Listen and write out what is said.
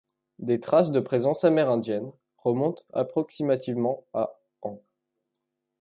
Des traces de présence amérindienne remontent approximativement à ans.